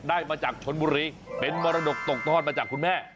ได้มาจากชนบุรีเป็นมรดกตกทอดมาจากคุณแม่